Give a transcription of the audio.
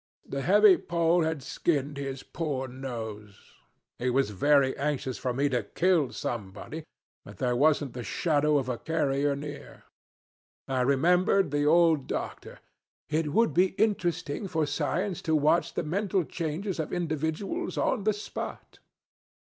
The heavy pole had skinned his poor nose. He was very anxious for me to kill somebody, but there wasn't the shadow of a carrier near. I remembered the old doctor, 'It would be interesting for science to watch the mental changes of individuals, on the spot.'